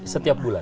ini setiap bulan